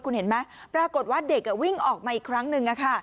คุณเห็นไหมปรากฏว่าเด็กวิ่งออกมาอีกครั้งหนึ่ง